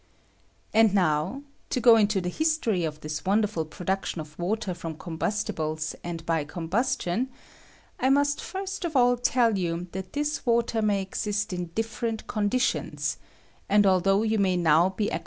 And now — to go into the history of this wonderful production of water from combus tibles, and by combustion — I must first of all teU you that this water may exist in different conditions ; and although you may now be a ^ I DIFFERENT COSDITIONS OF WATER.